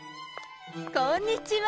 こんにちは。